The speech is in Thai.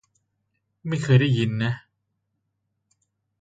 ไม่เคยได้ยินนะ